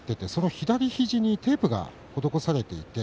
左肘にテープが施されていました。